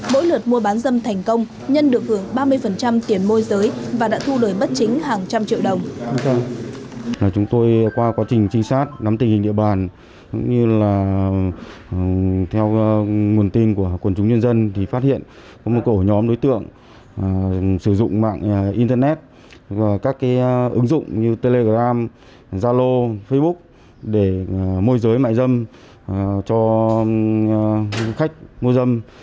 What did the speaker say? mỗi lượt mua bán dâm thành công nhân được gửi ba mươi tiền môi giới và đã thu lời bất chính hàng trăm triệu đồng